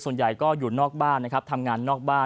ส่วนใหญ่ก็อยู่นอกบ้านนะครับทำงานนอกบ้าน